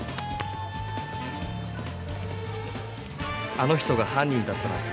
あの人が犯人だったなんて。